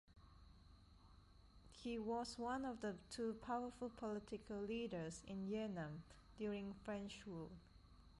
He was one of the two powerful political leaders in Yanam during French rule.